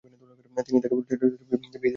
তিনিই তাকে খরচপত্র দিয়ে বিয়ে দিচ্ছেন।